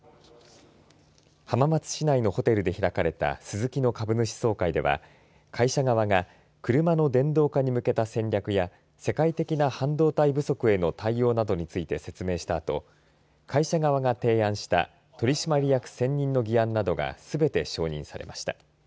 浜松市内のホテルで開かれたスズキの株主総会では会社側が車の電動化に向けた戦略や世界的な半導体不足への対応などについて説明したあと会社側が提案した取締役選任の議案などがすべて承認されました。